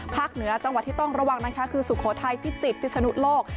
เหนือจังหวัดที่ต้องระวังนะคะคือสุโขทัยพิจิตรพิศนุโลก